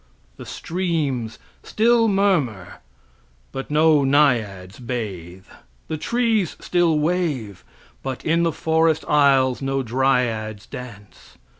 The streams still murmur, but no naiads bathe; the trees still wave, but in the forest aisles no dryads dance.